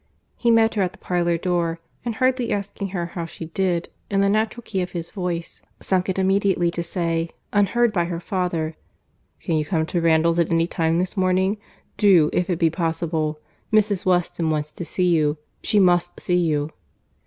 —He met her at the parlour door, and hardly asking her how she did, in the natural key of his voice, sunk it immediately, to say, unheard by her father, "Can you come to Randalls at any time this morning?—Do, if it be possible. Mrs. Weston wants to see you. She must see you."